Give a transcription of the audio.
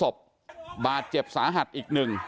ผมถ่ายผมถ่ายไว้เลย